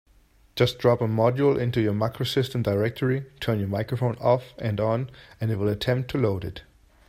Just drop a module into your MacroSystem directory, turn your microphone off and on, and it will attempt to load it.